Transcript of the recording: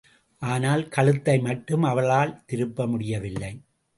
ஆனால், கழுத்தை மட்டும் அவளால் திருப்ப முடியவில்லை.